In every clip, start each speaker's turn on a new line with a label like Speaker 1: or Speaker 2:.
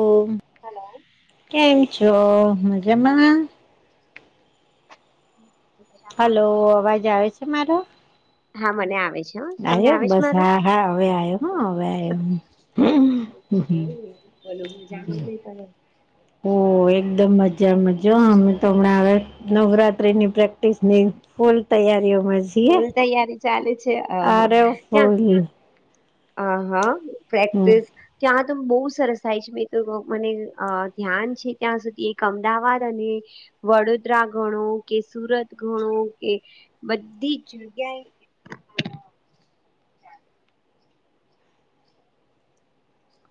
Speaker 1: ઓ
Speaker 2: hello
Speaker 1: કેમ છો મજામા?
Speaker 2: હમ
Speaker 1: હાલો અવાજ આવે છે, મારો?
Speaker 2: હા મને આવે છે. તમને
Speaker 1: આયો
Speaker 2: આવે છે
Speaker 1: બસ
Speaker 2: મારો
Speaker 1: હા હા હવે આયો હ હવે આયો હું
Speaker 2: એ બોલો જાણુ ની તમે
Speaker 1: ઓ એકદમ મજા મજા અમે તો હમણાં હવે નવરાત્રીની પ્રેક્ટિસની ફૂલ તૈયારીઓ હોય
Speaker 2: ફુલ તૈયારી ચાલે છે, અહ ત્યાં
Speaker 1: ફૂલ
Speaker 2: અ હ પ્રેક્ટસ ત્યાં તો બો સરસ થાય છે, મેં તો મને અ ધ્યાન છે, ત્યાં સુધી એક અમદાવાદ અને વડોદરા ગણો કે સુરત ગણો કે બધી જ જગ્યાએ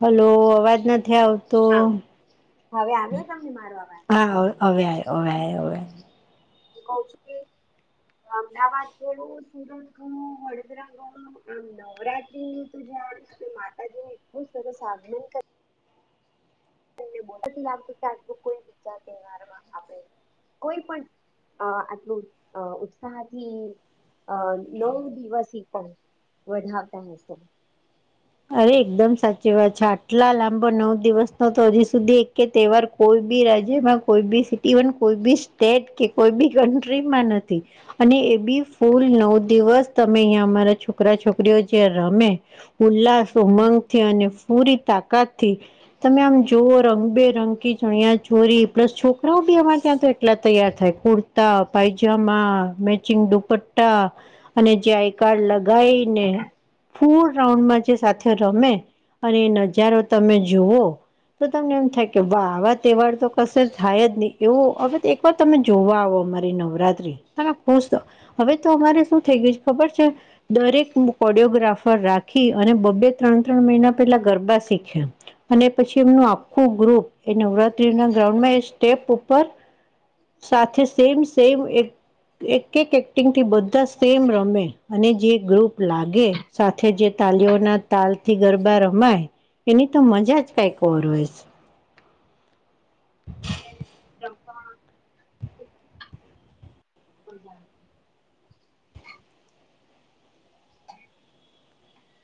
Speaker 1: હાલો અવાજ નથી આવતો
Speaker 2: હા હવે આવ્યો તમને મારો અવાજ
Speaker 1: હા અવે આય અવે હોવે
Speaker 2: હું કઉ છું કે અમદાવાદ ગણુ સુરત ગણુ વડોદરા ગણુ આમ નવરાત્રીનું તો જયા માતાજી ને એટલું જ બધું આગમન ક [unintelligible] કોઈ બીજા તહેવારમાં આપણે કોઈ પણ અ આટલું અ ઉત્સાહથી અ નવ દિવસ સી પણ વધાવતા હસે
Speaker 1: અરે એકદમ સાચી વાત છે, આટલા લાંબો નવ દિવસ નો તો હજી સુધી એક કે તહેવાર કોઈ બી રાજ્યમાં કોઈ બી સિટીવન કોઈ બી સ્ટેટ કે કોઈ બી કન્ટ્રીમાં નથી અને એ બી ફૂલ નવ દિવસ તમે અહીંયા અમારા છોકરા છોકરીઓ જ્યા રમે ઉલ્લાસ ઉમંગથી અને પૂરી તાકાતથી તમે આમ જોઓ રંગ બે રંગી ચણિયા ચોરી પ્લસ છોકરાઓ બી અમારે ત્યાં તો એટલા તૈયાર થાય કુ તા પાયજમા મેચિંગ દુપટ્ટા અને જાયકાર લગાવીને ફૂર રાઉન્ડમાં જે સાથે રમે અને એ નજારો તમે જુઓ તો તમને એમ થાય કે વા આવા તહેવાર તો કશે થાય જ ની એવો હવે ત પણ તમે જોવા આવો અમારી નવરાત્રી તમે ખુશ હવે તો અમારે શું થઈ ગયું છે, ખબર છે, દરેક કોરિયોગ્રાફર રા ખી અને બબ્બે ત્રણ ત્રણ મહિના પેલા ગરબા શીખ્યા અને પછી એમનું આખું ગ્રુપ એ નવરાત્રી ના ગ્રાઉન્ડમાં એ સ્ટેપ ઉપર સાથે સેમ સેમ એક એક એક એક્ટિંગથી બધા સેમ રમે અને જે ગ્રુપ લાગે સાથે જે તાલીઓના તાલ થી ગરબા રમાય એની તો મ જા જ કઈક ઓર હોય
Speaker 2: [inaudible]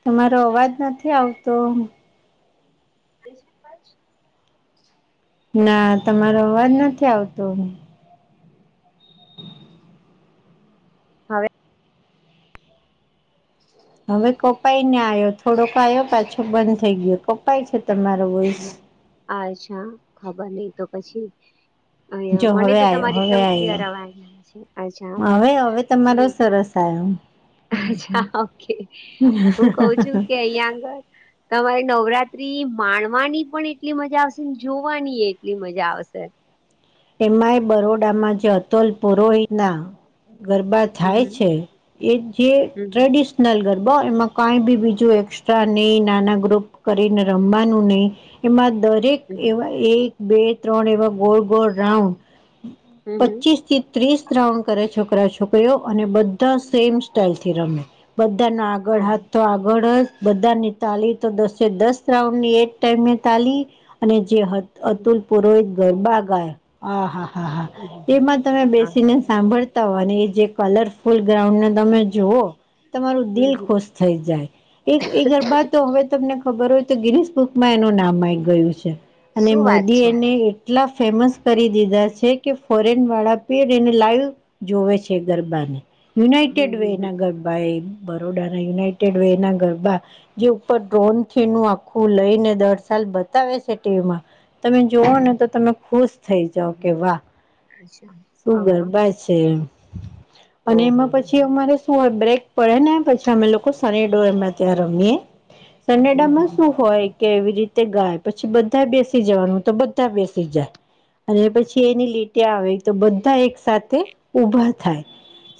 Speaker 1: તમારો અવાજ નથી આવતો
Speaker 2: [inaudible]
Speaker 1: ના તમારો અવાજ નથી આવતો
Speaker 2: હવે.
Speaker 1: હવે કપાઈ ને આયો થોડોક આયો પાછો બંધ થઈ ગયો કપાય છે, તમારો વોઈસ
Speaker 2: અચ્છા ખબર નઈ તો પછી અયા
Speaker 1: જો
Speaker 2: મને
Speaker 1: હવે
Speaker 2: તો
Speaker 1: આવ્યો
Speaker 2: તમારે
Speaker 1: હવે
Speaker 2: એકદમ ક્લિયર
Speaker 1: આવ્યો
Speaker 2: અવાજ આવે છે, અચ્છા
Speaker 1: હવે હવે તમારો
Speaker 2: હમ
Speaker 1: [inaudible]
Speaker 2: અચ્છા ઓકે હું કઉ છું કે અયા આગળ તમારે નવરાત્રી માણવાની પણ એટલી મજા આવશે જોવાની એટલી મજા આવશે
Speaker 1: એમાંય બરોડામાં જતોલ પુરોહીના ગરબા થાય
Speaker 2: હમ
Speaker 1: છે એ જે
Speaker 2: હમ
Speaker 1: ટ્રેડિશન નલગરબા એમાં કાંઈ બી બીજું એસ્ટ્રા નહીં નાના ગ્રુપ કરીને રમવાનું નહીં એમાં દરેક
Speaker 2: હમ
Speaker 1: એવા એક બે ત્રણ એવા ગોળ ગોળ રાઉન્ડ
Speaker 2: હમ હમ હમ
Speaker 1: પચીસથી ત્રીસ રા્રઉન્ડ કરે છોકરા છોકરીઓ અને બધા સેમ સ્ટાઈલ થી રમે બધા ના ગઢ
Speaker 2: ઓહ
Speaker 1: હા
Speaker 2: હમ
Speaker 1: તો આગળ જ બધાની તાલી તો દસે દસ રાઉન્ડની એક ટાઈમે તાલી અને જે
Speaker 2: હમ
Speaker 1: અતુલ પુરોહિત ગરબા ગાય હા હા હા હા
Speaker 2: હમ હમ હમ.
Speaker 1: એમાં તમે
Speaker 2: હા
Speaker 1: બેસીને સાંભળતા હો અને એ જે કલરફુલ ગ્રાઉન્ડને તમે જુઓ તમારું
Speaker 2: હમ
Speaker 1: દિલ
Speaker 2: હમ
Speaker 1: ખુશ થઈ જાય. એક એ ગરબા તો હવે તમને ખબર હોય તો ગિરીશ બુકમાં એનું નામ માગ ગયું છે. અને
Speaker 2: શું વાત
Speaker 1: મોદી
Speaker 2: છે
Speaker 1: એને એટલા ફેમસ કરી દીધા છે કે ફોરેન વાળા પી એને લાઈવ જોવે છે ગરબાને. યુનાઇટેડ
Speaker 2: હમ
Speaker 1: વે
Speaker 2: હમ
Speaker 1: ના ગરબા એ બરોડાના યુનાઇટેડ વે ના ગરબા જે ઉપર ડ્રોનથી નું આખું લઈને દર સાલ બતાવે છે ટીવીમાં તમે જોુઓ ને તો તમે ખુશ થઈ
Speaker 2: હમ
Speaker 1: જાાવ
Speaker 2: હમ.
Speaker 1: કે વાહ
Speaker 2: અચ્છા
Speaker 1: શું
Speaker 2: હા હા
Speaker 1: ગરબા છે. અને
Speaker 2: ઓહો
Speaker 1: એમાં
Speaker 2: હો
Speaker 1: પછી
Speaker 2: હો.
Speaker 1: અમારે શું હોય બ્રેક પડે ને પછી અમે લોકો સનેડો
Speaker 2: હમ
Speaker 1: એમાં ત્યાં રમીએ. સંનેડા
Speaker 2: હમ
Speaker 1: માં
Speaker 2: હમ.
Speaker 1: શું હોય. કેવી રીતે ગાય પછી બધા બેસી જવાનું તો બધા બેસી જાય. અને પછી એની લીટી આવે તો બધા એક સાથે ઊભા થાય.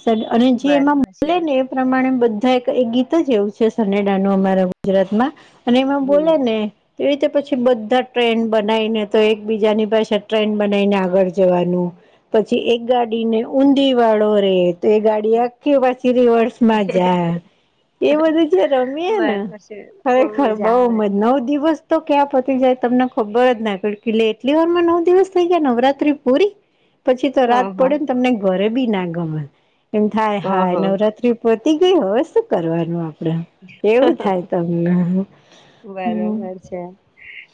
Speaker 1: સ અને જે એમાં
Speaker 2: બરોબર છે
Speaker 1: મોકલે ને પ્રમાણે બધા એક ગીત જ એવું છે સનેડા ન અમારા ગુજરાતમાં. અને એમાં બોલે
Speaker 2: હમ
Speaker 1: ને એ રીતે પછી બધા ટ્રેન્ડ બનાવીને તો એકબીજાની પાસે ટ્રેન બનાવીને આગળ જવાનું પછી એક ગાડીને ઊંધી વાળો રે તો એ ગાડી આખી પછી રિવર્સ માં જાય. એ બધું જે રમીયએ ને
Speaker 2: બરોબર છે બહુ
Speaker 1: ખરેખર
Speaker 2: મજા
Speaker 1: બઉુ
Speaker 2: આવે
Speaker 1: મજ
Speaker 2: હ
Speaker 1: નવ દિવસ તો ક્યાં પતી જાય તમને ખબર જ ના પડ કેલે એટલી વાર માં નવ દિવસ થઈ ગયા નવરાત્રી પૂરી પછી તો
Speaker 2: હ
Speaker 1: રાત પડે ને તમને ઘરે બી ના ગમે. એમ થાય
Speaker 2: હ
Speaker 1: હાય
Speaker 2: હ
Speaker 1: નવરાત્રી પહતી ગઈ હવે શું કરવાનું આપડે. એવું થાય તમને હમ.
Speaker 2: બરોબર છે.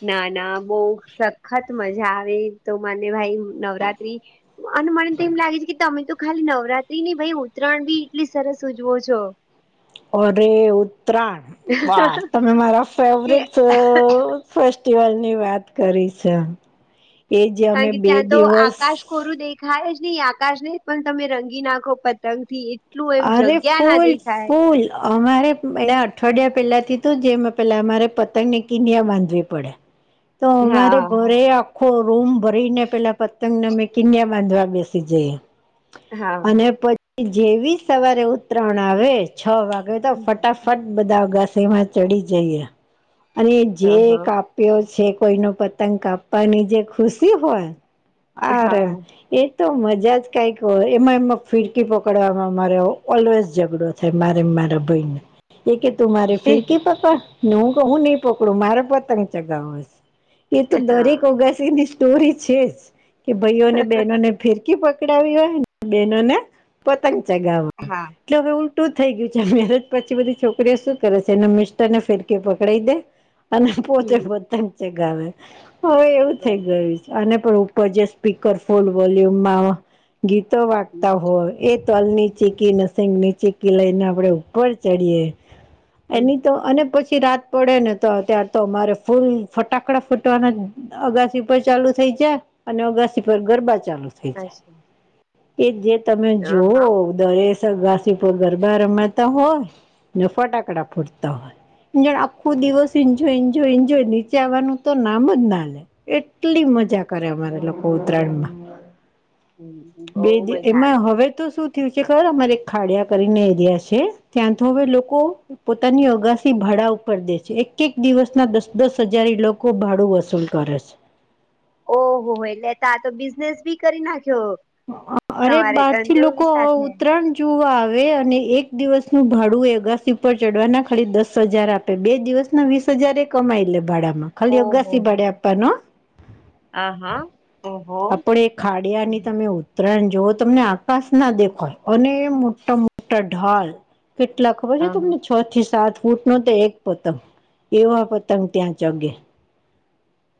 Speaker 2: ના ના બહ સખત મજા આવે તો મને ભાઈ નવરાત્રી અને મને તો એમ લાગે છે કે તમે તો ખાલી નવરાત્રી ની ભાઈ ઉત્તરાયણ બી એટલી સરસ ઉજવો છો.
Speaker 1: અરે ઉતરાયણ વા તમે મારા
Speaker 2: કે
Speaker 1: ફેવરેટ અ ફેસ્ટિવલ ની વાત કરી છે એ જે અમે બે દિવસ
Speaker 2: ખોરું દેખાય જ નહી આકાશ નહી પણ તમે રંગી નાખો પતંગ થી. એટલું એમ
Speaker 1: અરે
Speaker 2: જગ્યા ના
Speaker 1: ફૂલ
Speaker 2: દેખાય
Speaker 1: ફૂલ અમારે એ અઠવાડિયા પેલાથી તો જેમાં પેલા અમારે પતંગને કિનિયા બાંધવી પડે.
Speaker 2: [inaudible]
Speaker 1: તો અમારે
Speaker 2: હા
Speaker 1: ઘરે આખો રૂમ ભરી ને પેલા પતંગને અમે કિન્યા બાંધવા બેસી જઈ એ.
Speaker 2: હા
Speaker 1: અને પછી જેવી સવારે ઉતરાયણ આવે છ વાગે તો
Speaker 2: હ
Speaker 1: ફટાફટ ફટ બધા ઘાસ એમાં ચડી જઈએ અને જે
Speaker 2: હા
Speaker 1: કાપ પ્યો છે કોઈ ન પતંગ કાપવાની જે ખુશી હોય. આરે
Speaker 2: હા
Speaker 1: એ તો મજા જ કઈક હોય એમાં એમાં ફિરકી પકડવામાં. અમારે ઓલવેઝ ઝઘડો થાય મારે ન મારા ભઈને એ કે તું મારે ફિરકી પકડ. હું ક હું નહી પકડું મારા પતંગ ચગાવ એ તો
Speaker 2: હા
Speaker 1: દરેક ઓગાસ સ્ટોરી છે જ કે ભાઈઓને બહેનોને ફિરકી પકડાવી હોય બેનોને પતંગ ચગાવવા હોય.
Speaker 2: હા
Speaker 1: એટલે હવે ઉલટું થઈ ગયું છે મેરેજ પછી બધી છોકરીઓ શું કરે છે એના મિસ્ટર ને ફેરકી પકડાડી દે અને પોતે
Speaker 2: હમ
Speaker 1: પતંગ ચગાવે, હવે એવું થઇ
Speaker 2: બરાબર
Speaker 1: ગયું છ અને પણ ઉપર જે સ્પીકર ફૂલ વોલ્યુમમાં ગીતો
Speaker 2: હમ
Speaker 1: વાગતા હોય એ તલની ચીકીની, સીંગની ચીકી લઈને આપડે ઉપર ચડીએે.
Speaker 2: હમ
Speaker 1: એની તો અને પછી રાત પડે ને તો અત્યાર તો અમારે ફૂલ ફટાકડા ફૂટવાના. અગાસી પર ચાલુ થઇ જાય અને અગાસી પર ગરબા ચાલુ. થઈ જાય
Speaker 2: અચ્છા
Speaker 1: કે જે તમે
Speaker 2: હ
Speaker 1: જુઓ.
Speaker 2: હા
Speaker 1: દરેસ અગાસી ઉપર ગરબા રમાતા હોય, ને ફટાકડા ફૂટતા હોય. યાર આખો દિવસ ઇન્જોય, ઈન્જોય, ઈન્જોય નીચે આવવાનું તો નામ જ ના લે. એટલી મજા કરે અમારા લોકો ઉત્તરાયણમાં.
Speaker 2: હમ
Speaker 1: બે
Speaker 2: બહુ મજા આવે.
Speaker 1: એમાં હવે તો શું થયું છે ખબર અમારે ખાડીયા કરીને એરીયા છે ત્યાં તો હવે લોકો પોતાની અગાસી ભાડા ઉપર દે છે. એક એક દિવસના દસ દસ હજાર ઈ લોકો ભાડું વસૂલ કરે છે.
Speaker 2: ઓહો! એટલે કા તો બિઝનેસ ભી કરી નાખ્યો.
Speaker 1: અરે!
Speaker 2: તમારે
Speaker 1: બાર થી
Speaker 2: ધંધો બી
Speaker 1: લોકો
Speaker 2: સાથે
Speaker 1: ઉતરાયન જોવા આવે અને એક દિવસનું ભાડું એ અગાસી ઉપર ચડવાના ખાલી દસ હજાર આપ તે બે દિવસના વીસ હજાર એ કમાઈ લે ભાડામાં ખાલી અગાસી ભાડે આપવાનો હહ.
Speaker 2: આહા!
Speaker 1: હા પણ એ ખાડિયાની તમે ઉત્ તરાયણ જોવો તમને આકાશ ના દેખય અને મોટા મોટા ઢાલ કેટલા ખબર છે
Speaker 2: હા
Speaker 1: તમને છ થી સાત. ફૂટ નો તો એક પતંગ, એવા પતંગ ત્યાં ચગે.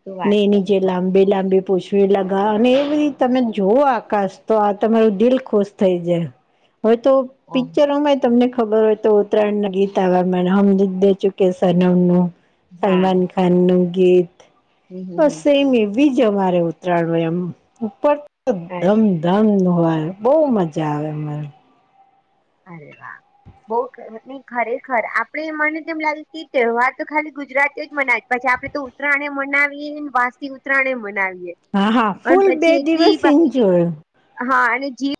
Speaker 2: શું
Speaker 1: ને
Speaker 2: વાત
Speaker 1: એની
Speaker 2: કરો
Speaker 1: જેે
Speaker 2: છો
Speaker 1: લાંબે
Speaker 2: ઓહો,
Speaker 1: લાંબી પૂછવી લગાવ અને એવરી તમે જોઓ આકાશ તો આ તમારું દિલ ખુશ થઈ જાય. હવે તો
Speaker 2: ઓહો,
Speaker 1: પિક્ચરોમાં એ તમને ખબર હોય તો ઉત્તરાયણના ગીત આવા મ હમ દિલ દે ચુકે સનમનું
Speaker 2: હા
Speaker 1: સલમાન ખાનનું ગીત.
Speaker 2: હમ હમ
Speaker 1: બસ
Speaker 2: હમ
Speaker 1: સેમ એવી જ અમારે ઉતરાયણ હોય આમ ઉપર.
Speaker 2: અચ્છા
Speaker 1: ધમધમ હોય બહુ મજા આવે અમને.
Speaker 2: અરે વા! બહુ [inaudible] નહીં ખરેખર આપડે મને તો એમ લાગે કે તહેવાર તો ખાલી ગુજરાતીઓ જ મનાય પછી આપડે તો ઉત્ ઉત્તરાયણ એ મનાવીએ ને વાસી ઉતરાયણ એ મનાવીએ.
Speaker 1: હા હા
Speaker 2: અને
Speaker 1: ફૂલ બે
Speaker 2: પછી એટલી
Speaker 1: દિવસ ઇન્જોય.
Speaker 2: હા અને જી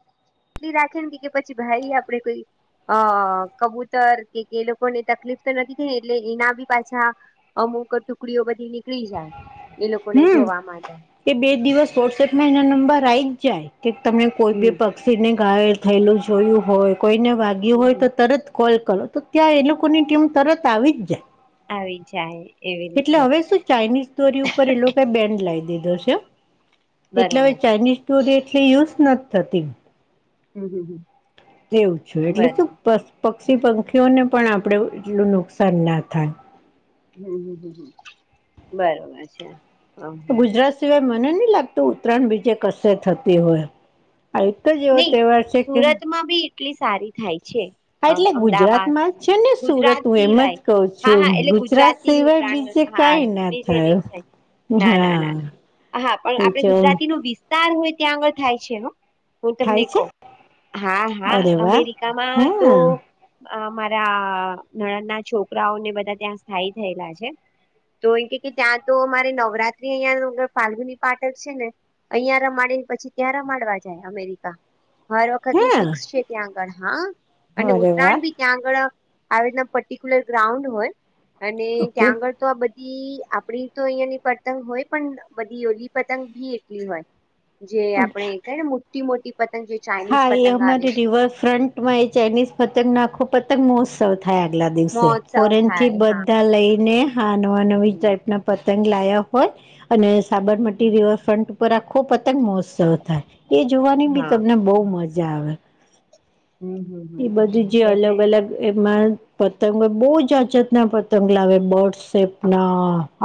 Speaker 2: એટલી રાખે ને કે પછી ભાઈ આપણે કોઈ અ કબૂતર કે એ લોકોને તકલીફ તો નથી થઈ ને એટલે એના બી પાછા અમુક ટુકડીઓ બધી નીકળી જાય એ લોકોને જોવા માટે.
Speaker 1: કે બે દિવસ વોટ્સએપમાં એના નંબર આઈ જ જાય કે તમે કોઈ બી
Speaker 2: હમ
Speaker 1: પક પક્ષીને ગાયલ થયેલું જોયું હોય કોઈને વાગ્યું
Speaker 2: હમ
Speaker 1: હોય
Speaker 2: હમ
Speaker 1: તો તરત કોલ કરો તો ત્યાં એ લોકોની ટીમ તરત આવી જ જાય.
Speaker 2: આવી જ જાય એવી
Speaker 1: એટલે
Speaker 2: રીતે.
Speaker 1: હવે શું ચાઇનીઝ દોરી ઉપર એ લોકાએ બેન્ડ લાઈ દીધો છે એટલે હવે
Speaker 2: બરોબર
Speaker 1: ચાઇનીઝ દોરી એટલી યુઝ નથ થતી.
Speaker 2: હમ હમ હમ
Speaker 1: તેવું જ છે એટલે
Speaker 2: બરોબર
Speaker 1: શું પક્ષી પંખીઓને પણ આપડે એટલું નુકસાન ના થાય.
Speaker 2: હમ હમ હમ હહ બરોબર છે. હ હ
Speaker 1: ગુજરાત સિવાય મને નહી લાગતું ઉત્તરાયણ બીજે કશે થતી હોય આ તો જેવ
Speaker 2: નહી
Speaker 1: તેવાર છે કે
Speaker 2: સુરતમાં બી એટલી સારી થાય છે.
Speaker 1: હા
Speaker 2: અ
Speaker 1: એટલે
Speaker 2: અમદાવાદ,
Speaker 1: ગુજરાતમાં જ છે ને સુરત
Speaker 2: ગુજરાત
Speaker 1: હું એમ જ
Speaker 2: સિવાય
Speaker 1: કઉ
Speaker 2: હા
Speaker 1: છું
Speaker 2: હા એટલે ગુજરાત એવી
Speaker 1: સિવાય
Speaker 2: ઉતરાયણ
Speaker 1: બીજે
Speaker 2: હા
Speaker 1: કઈ ના
Speaker 2: બીજે નહી થાય. ના ના ના
Speaker 1: હા
Speaker 2: ના હા પણ
Speaker 1: એ
Speaker 2: આપડે
Speaker 1: તો
Speaker 2: ગુજરાતી નો વિસ્તાર હોય ત્યાં આગળ થાય છે હહ. હું તમને
Speaker 1: થાય છે
Speaker 2: કઉં હા હા
Speaker 1: અરે વાહ
Speaker 2: અમેરિકામાં તો
Speaker 1: હા
Speaker 2: અ મારા નણદ ના છોકરાઓને બધા ત્યાં સ્થાયી થયેલા છે તો એ કે ત્યાં તો મામારે નવરાત્રી અહં ફાલ્ગુની પાઠક છે ને અહિયાં રમાડી પછી ત્યાં રમાડવા જાય મેરિકા હર વખત નું ફિક્સ
Speaker 1: હા
Speaker 2: છે ત્યાં આગળ હા અને
Speaker 1: અરે વાહ
Speaker 2: ઉત્તરાયણ બી ત્યાં આગળ આવી રીતના પર્ટિક્યુલર ગ્રાઉન્ડ હોય અને
Speaker 1: ઓકે
Speaker 2: ત્યાં આગળ તો આ બધી આપડી તો અહિયાયાની પતંગ હોય પણ બધી ઓયોલી પતંગ ભી એટલી હોય જે
Speaker 1: ઓકે
Speaker 2: આપડણે ક ને મોટી મોટી પતંગ જે
Speaker 1: હા
Speaker 2: ચાઇનીઝ
Speaker 1: એ
Speaker 2: પતંગ આવે
Speaker 1: અમારે
Speaker 2: છે
Speaker 1: રિવરફ્રન્ટમાં એ ચાઇનીઝ પતંગ નાખો પતંગ મોત્સવ થ આગલા દિવસે
Speaker 2: મહોત્સવ
Speaker 1: ફોરેન થી
Speaker 2: થાય હા
Speaker 1: બધા લઈને હ નવા નવી
Speaker 2: હમ
Speaker 1: ટપના પતંગ લાયા હોય અને સાબરમતી
Speaker 2: હમ.
Speaker 1: રિવરફ્રન્ટ ઉપર આખો પતંગ મહોત્સવ થાય એ જોવાની બી
Speaker 2: હા
Speaker 1: તમને બહ મજા આવે
Speaker 2: હમ હમ હમ
Speaker 1: એ બધી જે
Speaker 2: એટલે
Speaker 1: અલગ અલગ એમાં પતંગ બહુ જ અજત ના પતંગ લાવે બર્ડ સપ ના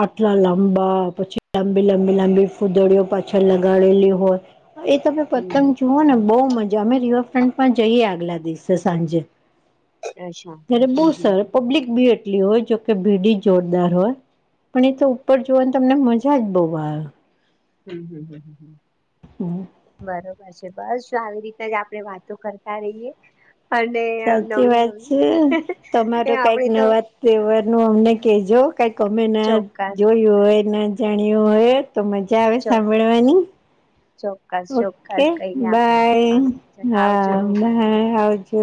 Speaker 1: આટલા લંબા પછી લાંબી લંબી લાંબી ફૂદડીઓ પાછળ લગાડેલી હોય એ તમે પતંગ જુઓ ને બહુ મજા અમે રિવરફ્રન્ટ પણ જઈએ આગલા દિવસે સાંજે
Speaker 2: અચ્છા
Speaker 1: ત
Speaker 2: હમ
Speaker 1: બહ
Speaker 2: હમ
Speaker 1: સર પબ્લિક બી એટલી હોય જોકે ભીડી જોરદાર હોય પણ એ તો ઉપર જોવાની તમને મજા જ બહુ આવે
Speaker 2: હમ હમ હમ હમ
Speaker 1: હમ
Speaker 2: બરોબર છે બસ જો આવી રીતે જ આપણેે વાતો કરતા રહીયએ અને
Speaker 1: સાચી
Speaker 2: નવી
Speaker 1: વાત
Speaker 2: નવી
Speaker 1: છે. તમારો કઈક
Speaker 2: આપણેે તો
Speaker 1: નવા તહેવાર નું અમને કહેજો કઈક અમે ના
Speaker 2: ચોક્કસ
Speaker 1: જોયું હોય ના જાણ્યું હોય તો મજા આવે
Speaker 2: ચોક્કસ
Speaker 1: સાંભળવાની
Speaker 2: ચોક્કસ
Speaker 1: ઓકે
Speaker 2: ચોક્કસ કહીએ આપડે
Speaker 1: બાય હા બાય આવજો